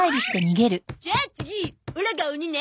じゃあ次オラが鬼ね。